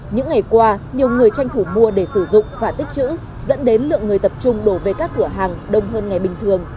những ngày qua nhiều người tranh thủ mua để sử dụng và tích chữ dẫn đến lượng người tập trung đổ về các cửa hàng đông hơn ngày bình thường